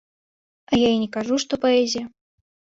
А я і не кажу, што паэзія.